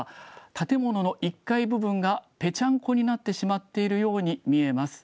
建物の１階部分がぺちゃんこになってしまっているように見えます。